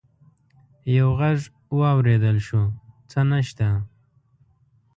يو غږ واورېدل شو: څه نشته!